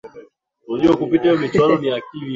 kumuuliza maeneo gani ambayo yanatakiwa kuelekezewa nguvu